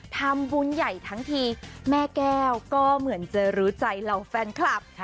ทำบุญใหญ่ทั้งทีแม่แก้วก็เหมือนจะรู้ใจเหล่าแฟนคลับ